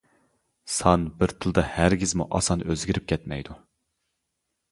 سان بىر تىلدا ھەر گىزمۇ ئاسان ئۆزگىرىپ كەتمەيدۇ.